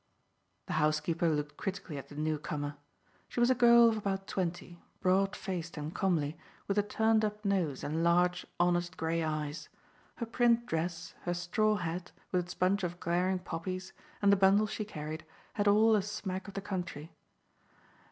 The housekeeper looked critically at the newcomer. She was a girl of about twenty, broad faced and comely, with a turned up nose and large, honest grey eyes. Her print dress, her straw hat, with its bunch of glaring poppies, and the bundle she carried, had all a smack of the country.